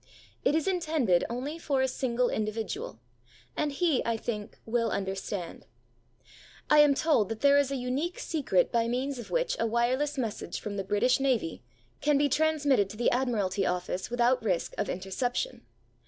It is intended only for a single individual; and he, I think, will understand. I am told that there is a unique secret by means of which a wireless message from the British Navy can be transmitted to the Admiralty Office without risk of interception.